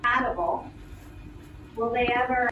His name was inspired by a brand of surfboards and skateboards.